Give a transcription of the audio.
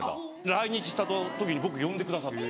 来日した時に僕呼んでくださって。